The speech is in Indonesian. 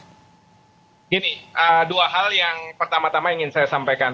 begini dua hal yang pertama tama ingin saya sampaikan